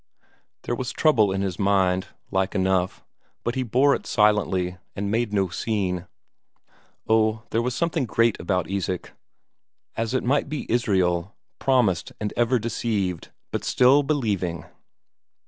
There was trouble in his mind, like enough, but he bore it silently, and made no scene. Oh, there was something great about Isak; as it might be Israel, promised and ever deceived, but still believing.